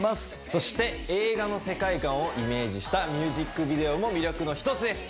そして映画の世界観をイメージしたミュージックビデオも魅力の一つです